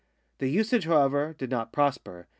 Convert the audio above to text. The usage, however, did not prosper.